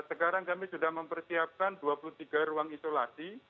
sekarang kami sudah mempersiapkan dua puluh tiga ruang isolasi